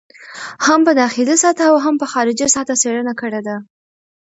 هم په داخلي سطحه او هم په خارجي سطحه څېړنه کړې دي.